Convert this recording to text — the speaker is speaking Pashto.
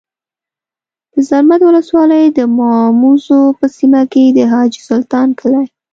د زرمت ولسوالۍ د ماموزو په سیمه کي د حاجي سلطان کلی